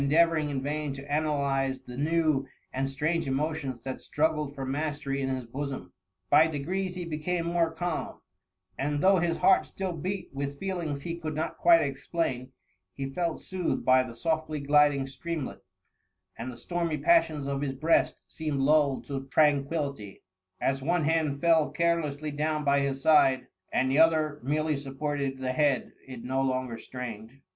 deavouring in vain to analyze the new and strange emotions that struggled for mastery in his bosom. By degrees he became more calm ; wd though his heart still beat with feelings he could not quite explain, he felt soothed by the softly gliding streamlet ; and the stormy pas sions of his breast seemed lulled to tranquility 76 THE MUMMr. as one hand fell carelessly down by his side, and the other merely supported the head it no longer strained.